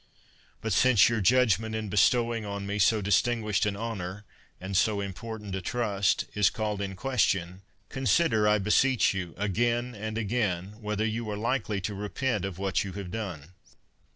But since your judgment, in bestowing on me so distinguished an honor and so important a trust, is called in question, consider, I beseech you, again and again, whether you are likely to repent of what you have done.